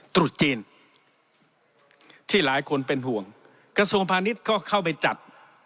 ตรุษจีนที่หลายคนเป็นห่วงกระทรวงพาณิชย์ก็เข้าไปจัด